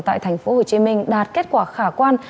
tại tp hcm đạt kết quả khả quan